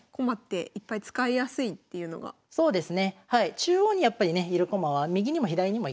中央にやっぱりねいる駒は右にも左にも行けるんで。